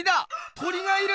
鳥がいる！